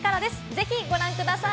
ぜひご覧ください。